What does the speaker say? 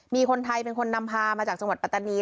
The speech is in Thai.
มีคนไทยเป็นคนนำพามาจากจังหวัดปัตตานี